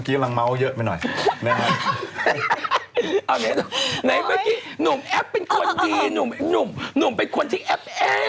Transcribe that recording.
กลับมาข่าวใส่ไข่คันตอบ